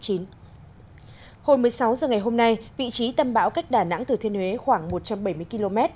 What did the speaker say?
hồi một mươi sáu h ngày hôm nay vị trí tâm bão cách đà nẵng thừa thiên huế khoảng một trăm bảy mươi km